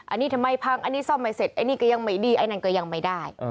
อันนี้ทำไมพังอันนี้ซ่อมไม่เสร็จไอ้นี่ก็ยังไม่ดีไอ้นั่นก็ยังไม่ได้